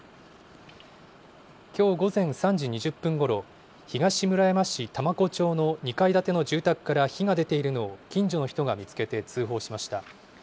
きょう午前３時２０分ごろ、東村山市多摩湖町の２階建ての住宅が火が出ているのを近所の人が見つけて通報しました。